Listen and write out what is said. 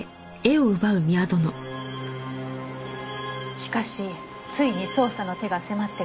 「しかしついに捜査の手が迫ってきました」